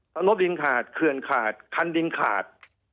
ถ้าลบดินขาดเขื่อนขาดคันดินขาด